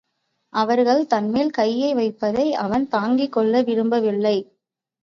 அவர்கள் தன்மேல் கையை வைப்பதை அவன் தாங்கிக் கொள்ள விரும்பவில்லை.